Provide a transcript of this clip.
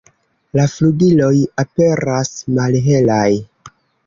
La flugiloj aperas malhelaj.